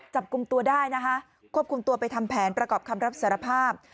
จับกลุ่มตัวได้นะคะควบคุมตัวไปทำแผนประกอบคำรับสารภาพ